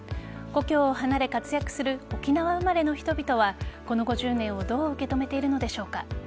故郷を離れ活躍する沖縄生まれの人々はこの５０年をどう受け止めているのでしょうか。